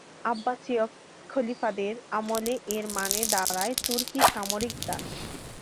আব্বাসীয় খলিফাদের আমলে এর মানে দাঁড়ায় তুর্কি সামরিক দাস।